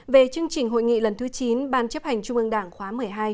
về chương trình hội nghị lần thứ chín ban chấp hành trung ương đảng khóa một mươi hai